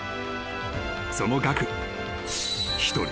［その額］